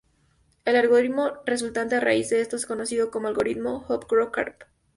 El algoritmo resultante a raíz de esto es conocido como algoritmo Hopcroft–Karp.